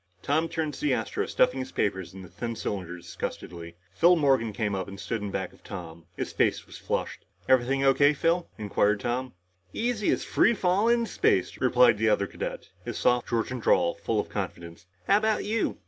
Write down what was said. Tom turned to see Astro stuffing his papers in the thin cylinder disgustedly. Phil Morgan came up and stood in back of Tom. His face was flushed. "Everything O.K., Phil?" inquired Tom. "Easy as free falling in space," replied the other cadet, his soft Georgian drawl full of confidence. "How about you?"